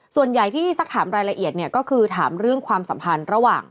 ส่วนใหญ่ที่สักถามรายละเอียดเนี่ยก็คือถามเรื่องความสัมพันธ์ระหว่าง